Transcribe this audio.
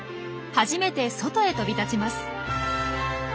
初めて外へ飛び立ちます。